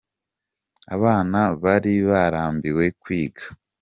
Abana bari barambiwe kwiga.